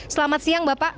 selamat siang bapak